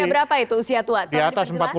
kalau usia berapa itu usia tua